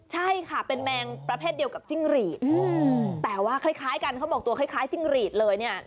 ใช่ค่ะเป็นแมงประเภทเดียวกับจิ้งหรีดแต่ว่าคล้ายกันเขาบอกตัวคล้ายจิ้งหรีดเลยเนี่ย